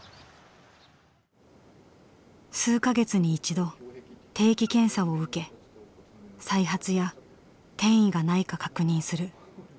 数か月に一度定期検査を受け再発や転移がないか確認する。